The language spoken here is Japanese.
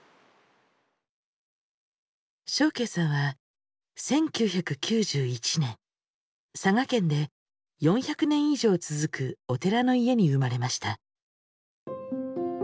祥敬さんは１９９１年佐賀県で４００年以上続くお寺の家に生まれました。